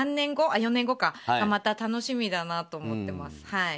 ４年後がまた楽しみだなと思ってます。